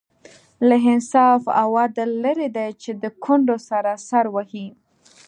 له انصاف او عدل لرې دی چې د کونډو سر سر وهي.